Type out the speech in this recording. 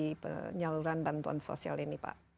pencapaian dari segi penyeluruhan bantuan sosial ini pak